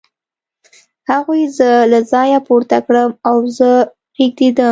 هغوی زه له ځایه پورته کړم او زه رېږېدلم